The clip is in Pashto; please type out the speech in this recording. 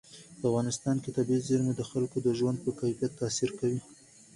په افغانستان کې طبیعي زیرمې د خلکو د ژوند په کیفیت تاثیر کوي.